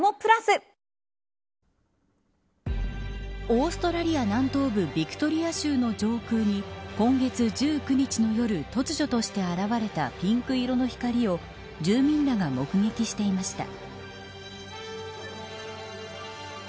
オーストラリア南東部ビクトリア州の上空に今月１９日の夜、突如として現れたピンク色の光を住民らが目撃していました。